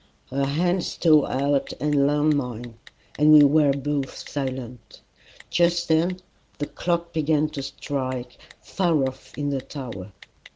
Her hand stole out and lay on mine, and we were both silent. Just then the clock began to strike far off in the tower.